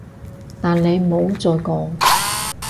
但你唔好再講